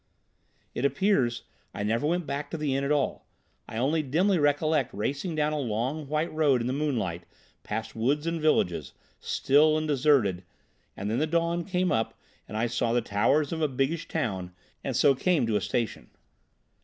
"It appears I never went back to the inn at all. I only dimly recollect racing down a long white road in the moonlight, past woods and villages, still and deserted, and then the dawn came up, and I saw the towers of a biggish town and so came to a station.